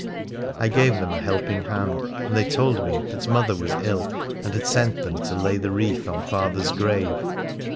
I gave them a helping hand, and they told me that mother was ill and had sent them to lay the wreath on father's grave.